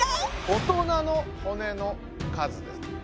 大人の骨の数です。